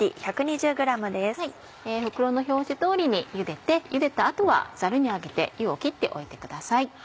袋の表示通りにゆでてゆでた後はざるにあげて湯をきっておいてください。